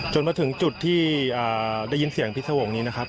จนมาถึงจุดที่ได้ยินเสียงพิษวงศ์นี้นะครับ